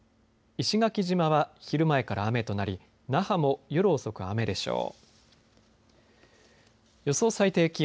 石垣島は昼前から雨となり那覇も夜遅く雨でしょう。